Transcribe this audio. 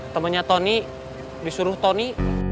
temennya tony disuruh tony